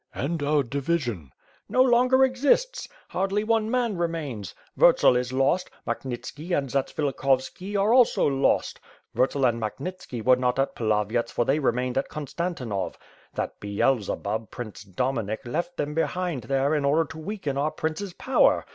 "And our division?" "No longer exists! Hardly one man remains! Vurtsel is lost, Makhnitski and Zatsvilikhovski are also lost. Vurtsel and Makhnitski were not at Pilavyets for they remained in Konstantinov. That Beelzebub, Prince Dominik, left them behind there in order to weaken our prince's power.